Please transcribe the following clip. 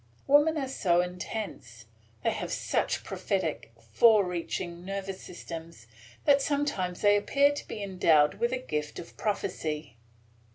Woman are so intense, they have such prophetic, fore reaching, nervous systems, that sometimes they appear to be endowed with a gift of prophecy.